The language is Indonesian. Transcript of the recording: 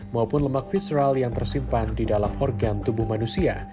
maupun lemak visral yang tersimpan di dalam organ tubuh manusia